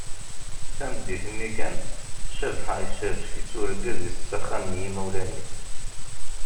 Tameddit-nni kan, Cabḥa isserzef-itt urgaz-is s axxam n yimawlan-is.